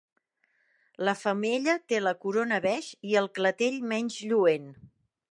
La femella té la corona beix i el clatell menys lluent.